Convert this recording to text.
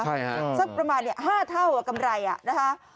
ใช่ค่ะสักประมาณ๕เท่ากำไรอ่ะนะคะ